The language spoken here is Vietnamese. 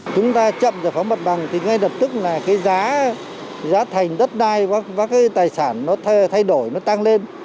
chúng ta chậm giải phóng mặt bằng thì ngay lập tức là cái giá thành đất đai các cái tài sản nó thay đổi nó tăng lên